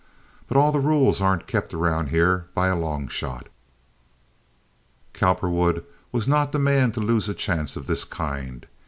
"But all the rules ain't kept around here by a long shot." Cowperwood was not the man to lose a chance of this kind.